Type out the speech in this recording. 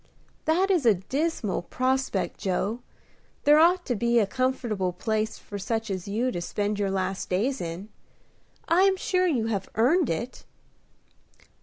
"That is a dismal prospect, Joe. There ought to be a comfortable place for such as you to spend your last days in. I am sure you have earned it."